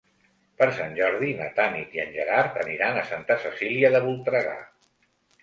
Per Sant Jordi na Tanit i en Gerard aniran a Santa Cecília de Voltregà.